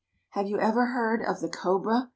Have you ever heard of the cobra ?